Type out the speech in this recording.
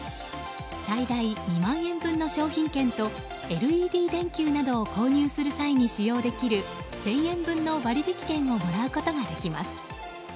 最大２万円分の商品券とＬＥＤ電球などを購入する際に使用できる１０００円分の割引券をもらうことができます。